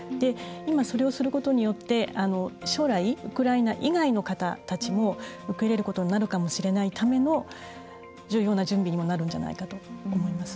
今、それをすることによって将来、ウクライナ以外の方たちも受け入れることになるかもしれないための重要な準備にもなるんじゃないかと思います。